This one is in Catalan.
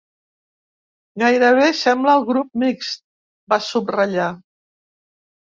Gairebé sembla el grup mixt, va subratllar.